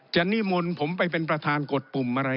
นิมนต์ผมไปเป็นประธานกดปุ่มอะไร